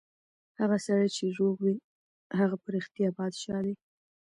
هغه سړی چې روغ وي، هغه په رښتیا پادشاه دی.